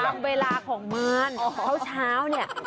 ตามเวลาของมันเข้าเช้าเนี่ย